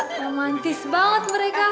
cuma romantis banget mereka